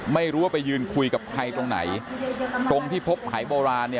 ไม่รู้ว่าไปยืนคุยกับใครตรงไหนตรงที่พบหายโบราณเนี่ย